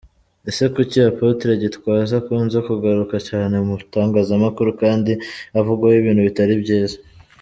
Ese kuki Apotre Gitwaza akunze kugaruka cyane mu Itangazamakuru kandi avugwaho ibintu bitari byiza ?